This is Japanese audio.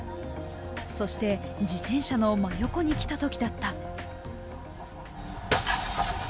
そして、自転車の真横に来たときだった。